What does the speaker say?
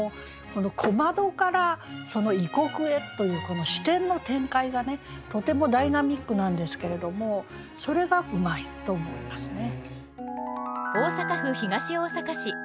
この「小窓」から「異国」へというこの視点の展開がねとてもダイナミックなんですけれどもそれがうまいと思いますね。